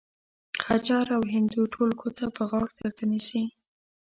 غجر او هندو ټول ګوته په غاښ درته ونيسي.